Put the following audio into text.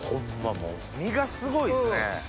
もう身がすごいっすね。